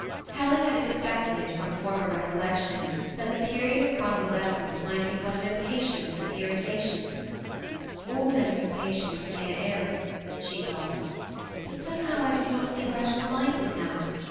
Helen had expected, from former recollections, that the period of convalescence might be one of impatience and irritation. ^^ All men are impatient when they are ill," 326 THE SBMI ATTACHBD COUPLE. she thought ;^' but somehow I do not think I shall mind it now.